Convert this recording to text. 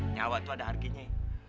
nyawa tuh ada harginya